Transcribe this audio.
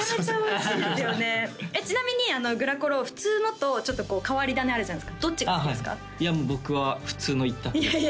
ちなみにグラコロ普通のとちょっとこう変わり種あるじゃないですかどっちが好きですか？